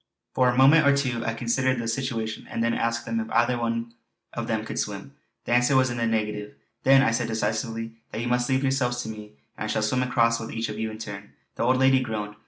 For a moment or two I considered the situation, and then asked them if either of them could swim. The answer was in the negative. "Then," I said decisively, "you must leave yourselves to me, and I shall swim across with each of you in turn." The old lady groaned.